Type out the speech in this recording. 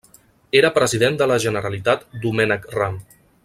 Era President de la Generalitat Domènec Ram.